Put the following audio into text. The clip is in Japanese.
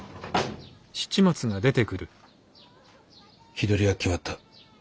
日取りが決まった。